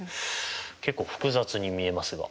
結構複雑に見えますが。